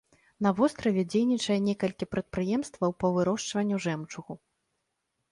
На востраве дзейнічае некалькі прадпрыемстваў па вырошчванню жэмчугу.